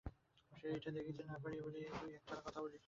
সেইটে দেখিতে পারি না বলিয়াই সময় পাইলে দুই-এক কথা বলি।